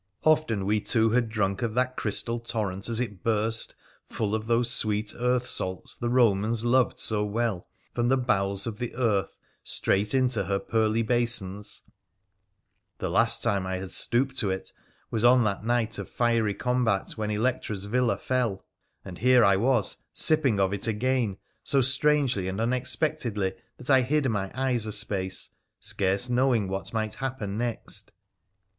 Often we two had drunk of that crystal torrent as it burst, full of those sweet earth salts the Romans loved so well, from the bowels of the earth straight into her pearly basins ; the last time I had stooped to it was on that night of fiery combat when Electra's villa fell — and here I was sipping of it again, so strangely and unexpectedly that I hid my eyes a space, scarce knowing what might happen next.